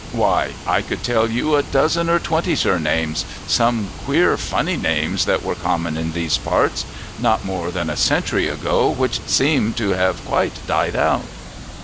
Why, I could tell you a dozen or twenty surnames, some queer, funny names, that were common in these parts not more than a century ago which seem to have quite died out."